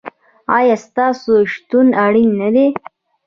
ایا ستاسو شتون اړین نه دی؟